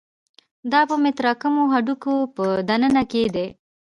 دا په متراکمو هډوکو په دننه کې دي.